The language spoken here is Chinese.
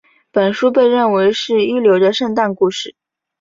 本书被认为是一流的圣诞故事。